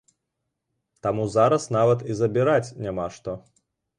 Таму зараз нават і забіраць няма што.